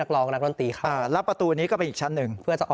แล้วประตูนี้ก็เป็นอีกชั้นหนึ่ง